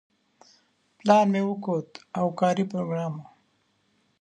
پلان مې وکوت او کاري پروګرام و.